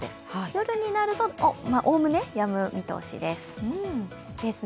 夜になるとおおむねやむ見通しです。